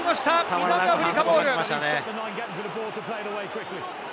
南アフリカボール。